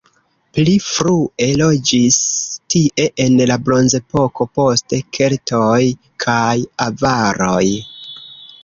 Pli frue loĝis tie en la bronzepoko, poste keltoj kaj avaroj.